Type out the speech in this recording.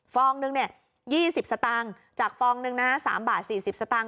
องนึงเนี่ย๒๐สตางค์จากฟองนึงนะ๓บาท๔๐สตางค